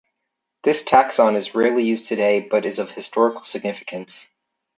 This taxon is rarely used today but is of historical significance.